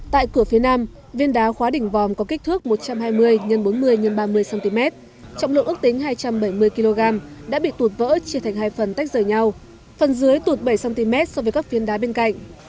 tại cửa phía nam viên đá khóa đỉnh vòm có kích thước một trăm hai mươi x bốn mươi x ba mươi cm trọng lượng ước tính hai trăm bảy mươi kg đã bị tụt vỡ chia thành hai phần tách rời nhau phần dưới tụt bảy cm so với các viên đá bên cạnh